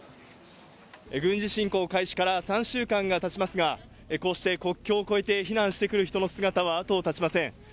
軍事侵攻開始から３週間が経ちますが、こうして国境を越えて避難してくる人の姿は後を絶ちません。